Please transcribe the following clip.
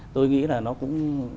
tôi nghĩ là nó cũng